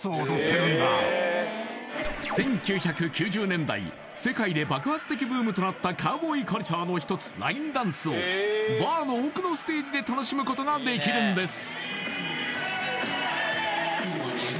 １９９０年代世界で爆発的ブームとなったカウボーイカルチャーの一つラインダンスをバーの奥のステージで楽しむことができるんです